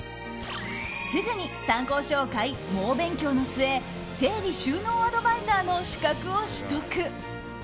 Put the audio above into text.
すぐに参考書を買い、猛勉強の末整理収納アドバイザーの資格を取得。